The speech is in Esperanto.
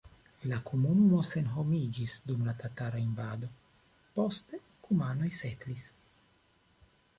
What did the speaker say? La komunumo senhomiĝis dum la tatara invado, poste kumanoj setlis.